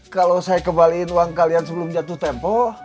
kalo saya kebaliin uang kalian sebelum jatuh tempo